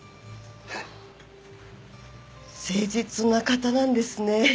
誠実な方なんですね。